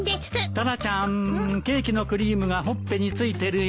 タラちゃんケーキのクリームがほっぺに付いてるよ。